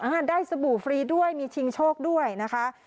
ได้สบู่ฟรีด้วยมีชิงโชคด้วยนะคะ